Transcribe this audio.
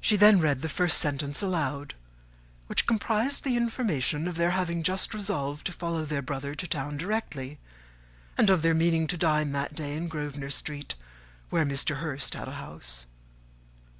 She then read the first sentence aloud, which comprised the information of their having just resolved to follow their brother to town directly, and of their meaning to dine that day in Grosvenor Street, where Mr. Hurst had a house.